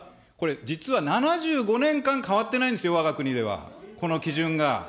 実は７５年間変わってないんですよ、わが国では、この基準が。